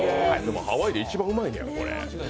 ハワイで一番うまいねや、これ。